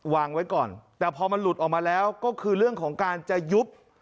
วางไว้ก่อนแต่พอมันหลุดออกมาแล้วก็คือเรื่องของการจะยุบ